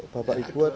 bapak ibu atau